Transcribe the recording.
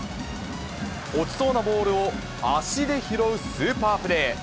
落ちそうなボールを足で拾うスーパープレー。